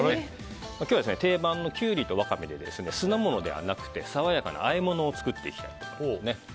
今日は定番のキュウリとワカメで酢の物ではなくて、爽やかなあえ物を作っていきたいと思います。